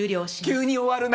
急に終わるな！